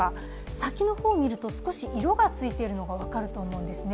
先の方をみると少し色がついているのが分かると思うんですね